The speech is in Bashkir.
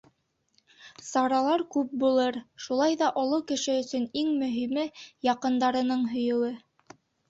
Саралар күп булыр, шулай ҙа оло кеше өсөн иң мөһиме — яҡындарының һөйөүе.